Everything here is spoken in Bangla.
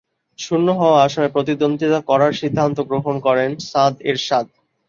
শূন্য হওয়া আসনে প্রতিদ্বন্দ্বিতা করার সিদ্ধান্ত গ্রহণ করেন সাদ এরশাদ।